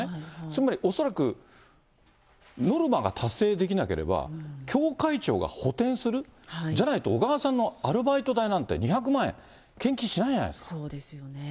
つまり恐らく、ノルマが達成できなければ、教会長が補てんする、じゃないと、小川さんのアルバイト代なんて２００万円、献金しなそうですよね。